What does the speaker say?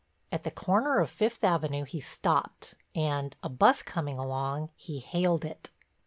At the corner of Fifth Avenue he stopped and, a bus coming along, he haled it.